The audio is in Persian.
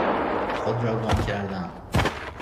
خود را گم کردن